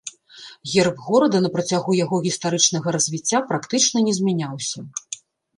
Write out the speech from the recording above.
Герб горада на працягу яго гістарычнага развіцця практычна не змяняўся.